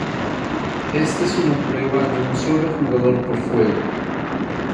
Esta es una prueba de un sólo jugador por fuego.